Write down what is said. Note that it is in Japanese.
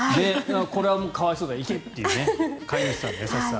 これは可哀想だ行けっていう飼い主さんの優しさ。